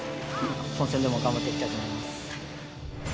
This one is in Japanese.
本戦でも頑張っていきたいと思います。